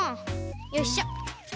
よいしょ。